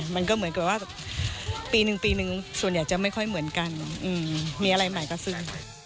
มันก็เหมือนกับว่าปีหนึ่งปีนึงส่วนใหญ่จะไม่ค่อยเหมือนกันมีอะไรใหม่ก็ซื้อ